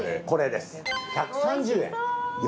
これです１３０円。